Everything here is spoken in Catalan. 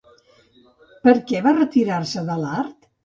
Per què va retirar-se de l'art?